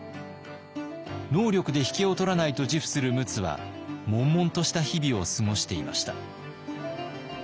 能力で引けを取らないと自負する陸奥はもんもんとした日々を過ごしていました。